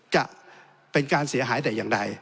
จะเป็นการเสียหายแต่อย่างใด